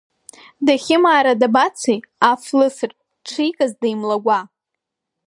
Дахьымаара дабацеи, аф лысыртә, дшикыз деимлагәа?!